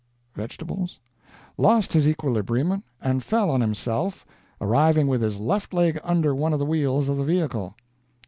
vegetables?), lost his equilibrium and fell on himself, arriving with his left leg under one of the wheels of the vehicle.